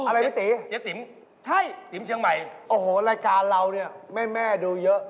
อ๋ออะไรไม่ตียะโอ้โฮรายการเราเนี่ยแม่ดูเยอะ